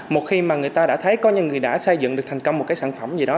một khi mà người ta đã thấy có những người đã xây dựng được thành công một cái sản phẩm gì đó